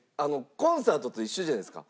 コンサートと一緒じゃないですか。